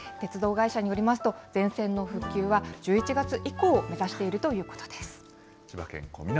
鉄道会社によりますと、全線の復旧は１１月以降を目指しているということです。